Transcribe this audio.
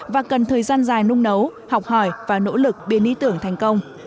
và cần thời gian dài nung nấu học hỏi và nỗ lực biến ý tưởng thành công